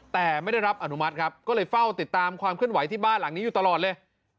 แต่ไม่ได้รับอนุมัติครับก็เลยเฝ้าติดตามความเคลื่อนไหวที่บ้านหลังนี้อยู่ตลอดเลย